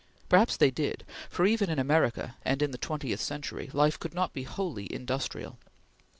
Perhaps they did, for even in America and in the twentieth century, life could not be wholly industrial.